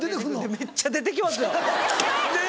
めっちゃ出て来ますよねっ！